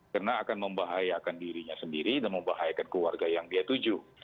karena akan membahayakan dirinya sendiri dan membahayakan keluarga yang dia tuju